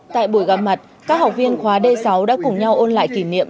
tại buổi gặp mặt các học viên khóa d sáu đã cùng nhau ôn lại kỷ niệm